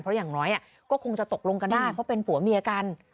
เพราะอย่างน้อยก็คงจะตกลงกันได้เพราะเป็นผัวเมียกัน